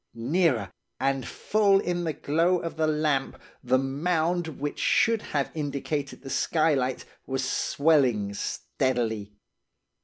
Nearer, and full in the glow of the lamp, the mound which should have indicated the skylight, was swelling steadily.